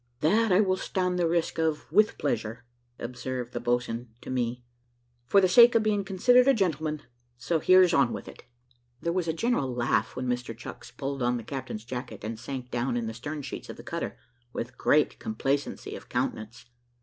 "That I will stand the risk of with pleasure," observed the boatswain to me, "for the sake of being considered a gentleman. So here's on with it." There was a general laugh when Mr Chucks pulled on the captain's jacket, and sank down in the stern sheets of the cutter, with great complacency of countenance.